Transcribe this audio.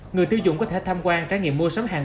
người tiêu dụng có thể tham quan trái nghiệm mua sắm hàng